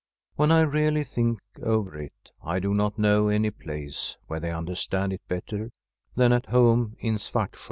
When I really think over it I do not know any place where they understand it better than at home in Svartsjo.